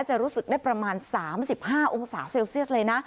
จะรู้สึกได้ประมาณ๓๕องศาเซลเซียสเลยนะ